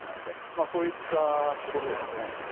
まあそういったところでしたね。